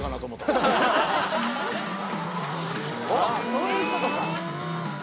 そういうことか！